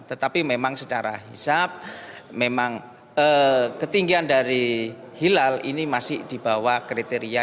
tetapi memang secara hisap memang ketinggian dari hilal ini masih di bawah kriteria